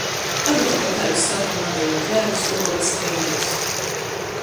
Agruok jau taidu skapu nabeja, drēbis globuoja skreinēs.